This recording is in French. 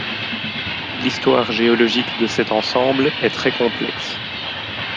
L’histoire géologique de cet ensemble est très complexe.